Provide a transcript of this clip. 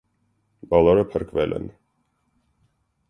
Բոլորը փրկվել են։